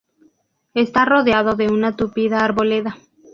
Está rodeado de una tupida arboleda.